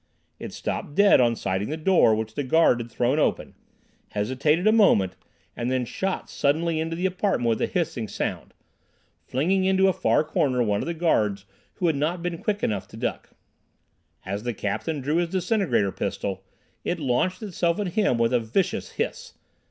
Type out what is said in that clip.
It stopped dead on sighting the door the guard had thrown open, hesitated a moment, and then shot suddenly into the apartment with a hissing sound, flinging into a far corner one of the guards who had not been quick enough to duck. As the captain drew his disintegrator pistol, it launched itself at him with a vicious hiss.